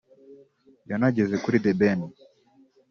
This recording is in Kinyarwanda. yanageze kuri The Ben